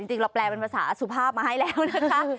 จริงเราแปลเป็นภาษาสุภาพมาให้แล้วนะคะ